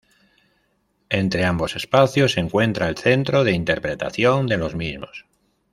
Entre ambos espacios se encuentra el Centro de Interpretación de los mismos.